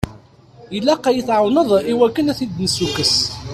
Ilaq ad yi-tɛawneḍ i wakken ad ten-id-nessukkes.